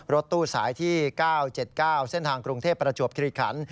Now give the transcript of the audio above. รถตู้สายที่๙๗๙เส้นทางกรุงเทพประจวบคิริขัน